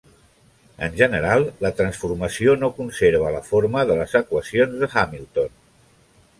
En general, la transformació no conserva la forma de les equacions de Hamilton.